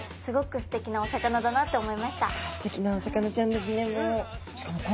すてきなお魚ちゃんですね。